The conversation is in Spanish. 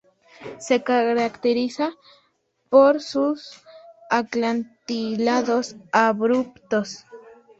Se caracteriza por sus acantilados abruptos.